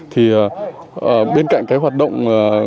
thì bên cạnh cái hoạt động